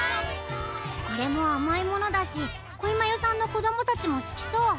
これもあまいものだしこいまゆさんのこどもたちもすきそう。